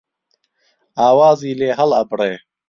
ئاوازی لێ هەڵ ئەبڕێ